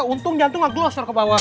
untung jantung gak gloser ke bawah